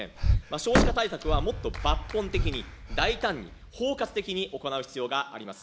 少子化対策はもっと抜本的に、大胆に、包括的に行う必要があります。